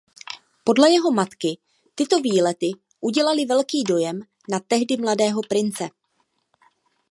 Podle jeho matky tyto výlety udělaly velký dojem na tehdy mladého Prince.